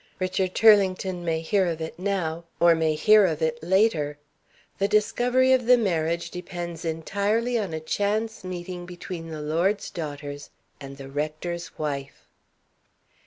Richard Turlington may hear of it now, or may hear of it later. The discovery of the marriage depends entirely on a chance meeting between the lord's daughters and the rector's wife.